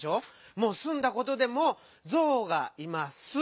もうすんだことでもゾウが「います」。